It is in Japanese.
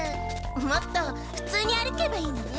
もっとふつうに歩けばいいのね。